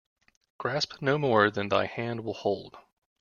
Grasp no more than thy hand will hold.